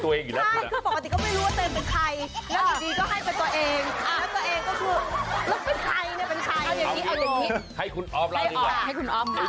น้องกระดาษอีกท่านหนึ่งก็คือด้านนั้น